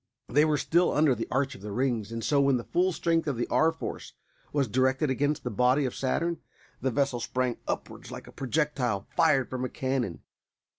They were still under the arch of the rings, and so, when the full strength of the R. Force was directed against the body of Saturn, the vessel sprang upwards like a projectile fired from a cannon.